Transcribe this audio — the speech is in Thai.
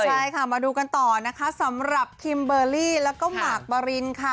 ใช่ค่ะมาดูกันต่อนะคะสำหรับคิมเบอร์รี่แล้วก็หมากปรินค่ะ